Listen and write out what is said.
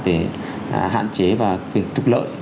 để hạn chế và việc trục lợi